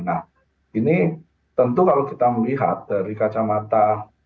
nah ini tentu kalau kita melihat dari kacamata